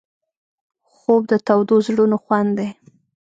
خوب د تودو زړونو خوند دی